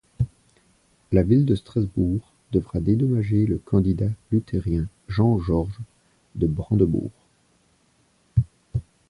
La ville de Strasbourg devra dédommager le candidat luthérien Jean Georges de Brandebourg.